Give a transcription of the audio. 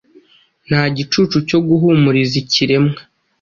Nta gicucu cyo guhumuriza ikiremwa